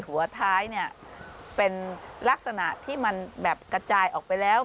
หัวท้ายเนี่ยเป็นลักษณะที่มันแบบกระจายออกไปแล้ว